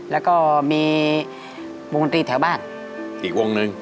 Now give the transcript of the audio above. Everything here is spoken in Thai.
แล้วก็มีวงดนตรีแถวบ้านอีกวงหนึ่ง